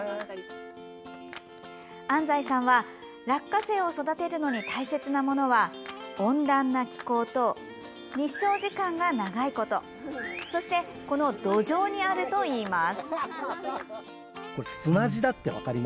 安西さんは落花生を育てるのに大切なものは温暖な気候と日照時間が長いことそしてこの土壌にあるといいます。